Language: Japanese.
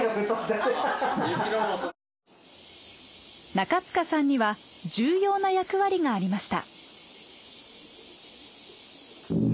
中塚さんには重要な役割がありました。